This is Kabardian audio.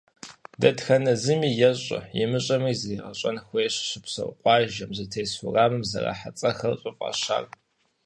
Дэтхэнэ зыми ещӏэ, имыщӏэми зригъэщӏэн хуейщ щыпсэу къуажэм, зытес уэрамым зэрахьэ цӏэхэр щӏыфӏащар.